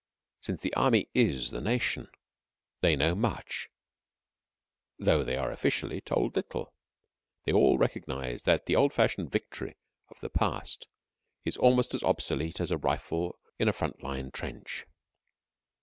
Since the Army is the Nation, they know much, though they are officially told little. They all recognize that the old fashioned "victory" of the past is almost as obsolete as a rifle in a front line trench.